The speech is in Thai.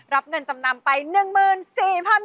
รับเงินจำนำไป๑๔๐๐๐บาท